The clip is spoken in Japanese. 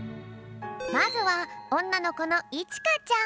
まずはおんなのこのいちかちゃん。